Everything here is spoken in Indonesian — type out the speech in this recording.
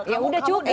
ya udah cukup